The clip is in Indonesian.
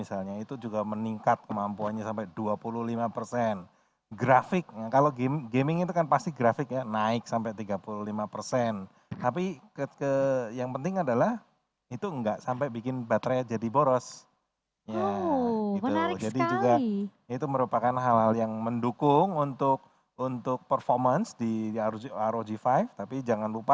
selain amoled itu kan warnanya juga gonceng